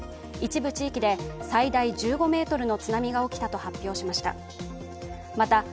一部地域で最大１５ｍの津波が起きたと発表しました。